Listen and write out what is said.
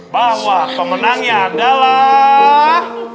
bahwa pemenangnya adalah